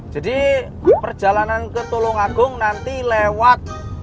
jadi perjalanan ke telung agung nanti lewat